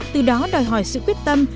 từ đó đòi hỏi sự quyết tâm